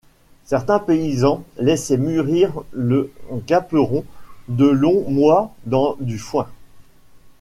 Certains paysans laissaient mûrir le gaperon de longs mois dans du foin.